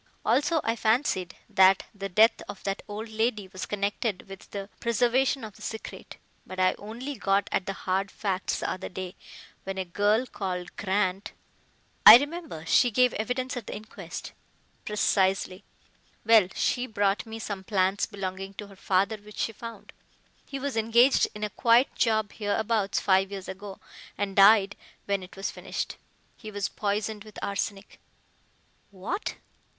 Also I fancied that the death of that old lady was connected with the preservation of the secret. But I only got at the hard facts the other day, when a girl called Grant " "I remember. She gave evidence at the inquest." "Precisely. Well, she brought me some plans belonging to her father which she found. He was engaged in a quiet job hereabouts five years ago, and died when it was finished. He was poisoned with arsenic." "What!